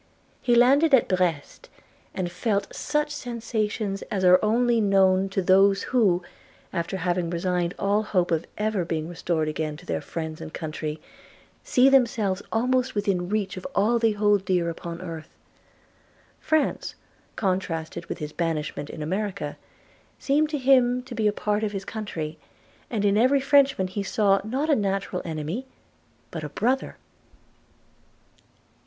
He landed at Brest, and felt such sensations as are only know to those who, after having resigned all hope of ever being restored again to their friends and county, see themselves almost within reach of all they hold dear upon earth. France, contrasted with his banishment in America, seemed to him to be a part of his country, and in every Frenchman he saw, not a natural enemy, but a brother.